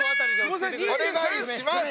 お願いします！